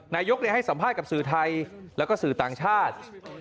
นายกให้สัมภาษณ์กับสื่อไทยแล้วก็สื่อต่างชาติ